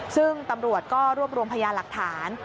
ซึ่งตำรวจก็รวบรวมพยาหลักฐาน